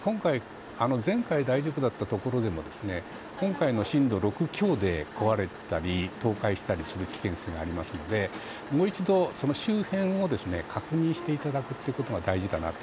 前回、大丈夫だったところでも今回の震度６強で壊れたり倒壊したりする危険がありますのでもう一度、その周辺を確認していただくことが大事かなと。